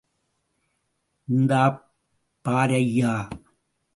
இந்தாப் பாரய்யா.